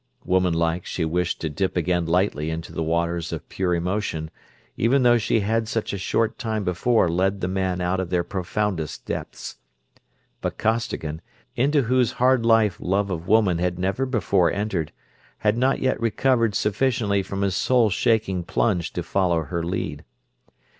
Woman like, she wished to dip again lightly into the waters of pure emotion, even though she had such a short time before led the man out of their profoundest depths. But Costigan, into whose hard life love of woman had never before entered, had not yet recovered sufficiently from his soul shaking plunge to follow her lead.